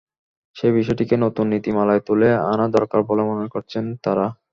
সেই বিষয়টিকে নতুন নীতিমালায় তুলে আনা দরকার বলে মনে করছেন তাঁরা।